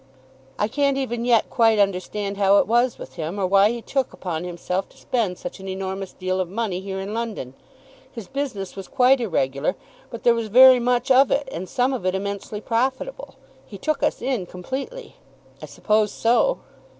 "I can't even yet quite understand how it was with him, or why he took upon himself to spend such an enormous deal of money here in London. His business was quite irregular, but there was very much of it, and some of it immensely profitable. He took us in completely." "I suppose so."